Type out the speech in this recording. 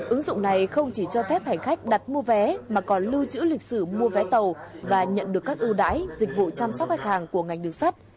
ứng dụng này không chỉ cho phép hành khách đặt mua vé mà còn lưu trữ lịch sử mua vé tàu và nhận được các ưu đãi dịch vụ chăm sóc khách hàng của ngành đường sắt